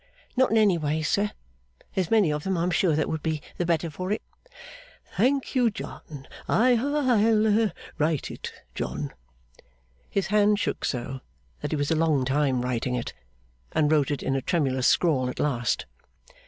'Not in any ways, sir. There's many of them, I'm sure, that would be the better for it.' 'Thank you, John. I ha I'll write it, John.' His hand shook so that he was a long time writing it, and wrote it in a tremulous scrawl at last.